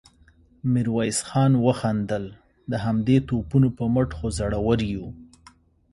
ميرويس خان وخندل: د همدې توپونو په مټ خو زړور يو.